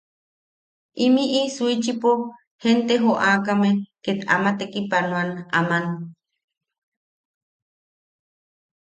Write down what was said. Imiʼi Shuichipo gente joakame ket aman tekipanoan aman.